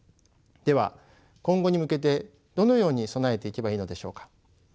では今後に向けてどのように備えていけばいいのでしょうか。